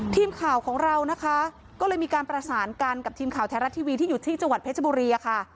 ทีมข่าวของเรานะคะก็เลยมีการประสานกันกับทีมข่าวไทยรัฐทีวีที่อยู่ที่จังหวัดเพชรบุรีอะค่ะ